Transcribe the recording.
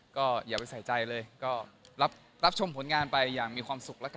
ก็อย่าไปใส่ใจเลยก็รับชมผลงานไปอย่างมีความสุขแล้วกัน